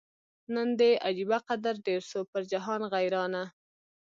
نن دي عجبه قدر ډېر سو پر جهان غیرانه